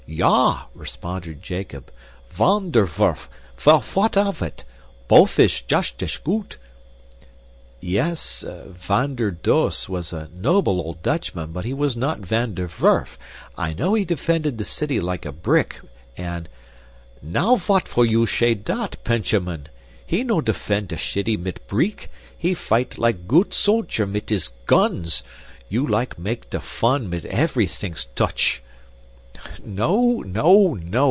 "Ya," responded Jacob, "Van der Werf vell, vot of it! Both ish just ash goot " "Yes, Van der Does was a noble old Dutchman, but he was not Van der Werf. I know he defended the city like a brick, and " "Now vot for you shay dat, Penchamin? He no defend te city mit breek, he fight like goot soltyer mit his guns. You like make te fun mit effrysinks Tutch." "No! No! No!